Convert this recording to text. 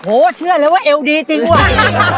โอ้โหเชื่อเลยว่าเอวดีจริงว่ะ